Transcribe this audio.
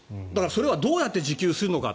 それをどうやって自給するのか。